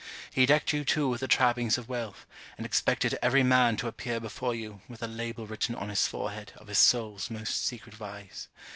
He decked you too with the trappings of wealth, and expected every man to appear before you, with a label written on his forehead, of his souls most secret vice.